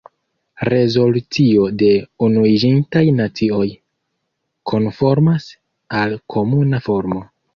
Rezolucio de Unuiĝintaj Nacioj konformas al komuna formo.